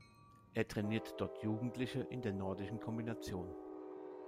Er trainiert dort Jugendliche in der nordischen Kombination.